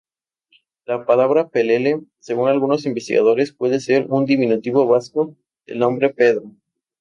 La palabra "pelele", según algunos investigadores, puede ser un diminutivo vasco del nombre "Pedro".